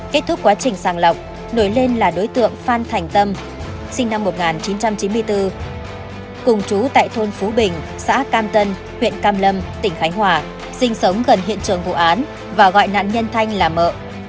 kết thúc quá trình sàng lọc nổi lên là đối tượng phan thành tâm sinh năm một nghìn chín trăm chín mươi bốn cùng chú tại thôn phú bình xã cam tân huyện cam lâm tỉnh khánh hòa sinh sống gần hiện trường vụ án và gọi nạn nhân thanh là mợ